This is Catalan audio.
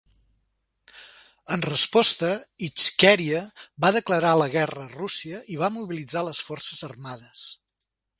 En resposta, Itxkèria va declarar la guerra a Rússia i va mobilitzar les forces armades.